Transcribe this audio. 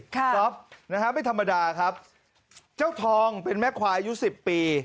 ก็ไม่ธรรมดาครับเจ้าทองเป็นแม่ควายยุ้สิบปี